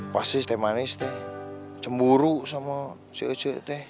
pasti temanis cemburu sama si ece